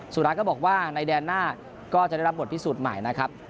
สุรักษ์ก็บอกว่าในแดนหน้าก็จะได้รับบทพิสูจน์ใหม่นะครับ